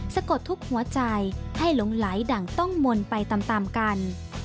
สะกดทุกหัวใจให้หลงไหลดั่งต้องมนต์ไปตามกัน